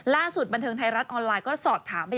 ล่าสุดบันเทิงไทยรัฐออนไลน์ก็สอบถามไป